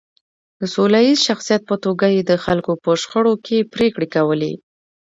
د سوله ییز شخصیت په توګه یې د خلکو په شخړو کې پرېکړې کولې.